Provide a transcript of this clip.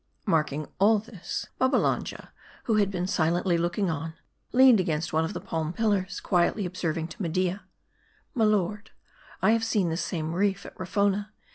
Marking all this, Babbalanja, who had been silently look ing on, leaning against one of the palm pillars, quietly ob served to Media :" My lord, I have seen this same reef at Rafona.